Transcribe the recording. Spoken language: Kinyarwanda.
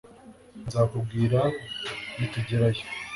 Nzakubwira nitugerayo